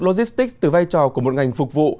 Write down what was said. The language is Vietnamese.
logistic từ vai trò của một ngành phục vụ